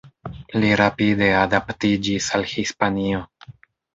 Li rapide adaptiĝis al Hispanio.